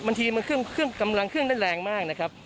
บางทีมันเครื่องกำลังเครื่องได้แรงมากนะครับ